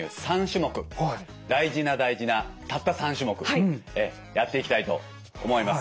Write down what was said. ３種目大事な大事なたった３種目やっていきたいと思います。